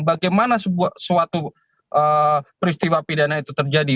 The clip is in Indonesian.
bagaimana suatu peristiwa pidana itu terjadi